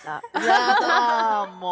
やだもう！